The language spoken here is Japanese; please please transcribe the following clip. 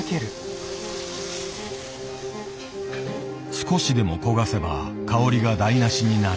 少しでも焦がせば香りが台なしになる。